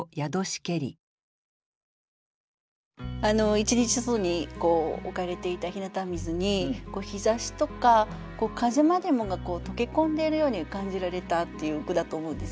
一日外に置かれていた日向水に日ざしとか風までもが溶け込んでいるように感じられたっていう句だと思うんですね。